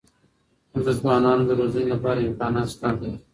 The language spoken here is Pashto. زموږ د ځوانانو د روزنې لپاره امکانات سته.